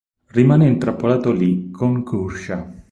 Rimane intrappolato lì con Q'ursha.